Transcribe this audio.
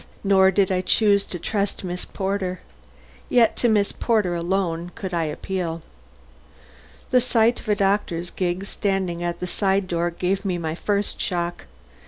Nor did I choose to trust Miss Porter. Yet to Miss Porter alone could I appeal. The sight of a doctor's gig standing at the side door gave me my first shock.